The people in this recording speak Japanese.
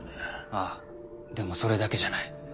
ああでもそれだけじゃない。